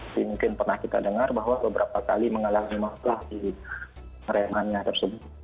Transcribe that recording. mungkin pernah kita dengar bahwa beberapa kali mengalami masalah di remanya tersebut